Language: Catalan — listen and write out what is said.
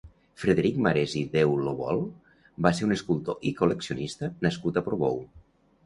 Frederic Marès i Deulovol va ser un escultor i col·leccionista nascut a Portbou.